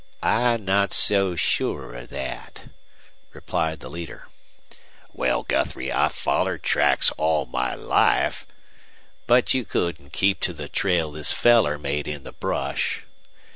"I'm not so sure of that," replied the leader. "Wal, Guthrie, I've follored tracks all my life ' "But you couldn't keep to the trail this feller made in the brush."